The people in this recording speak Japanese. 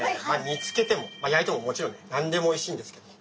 煮つけても焼いてももちろん何でもおいしいんですけども。